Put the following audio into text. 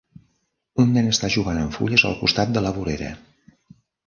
Un nen està jugant amb fulles al costat de la vorera.